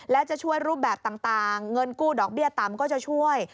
และจะช่วยรูปแบบต่างเงินกู้ดอกเบี้ยต่ำก็จะช่วย